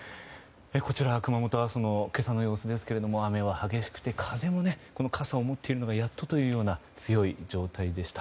こちら、熊本の今朝の様子ですが雨は激しくて傘も持っているのもやっとという強い状態でした。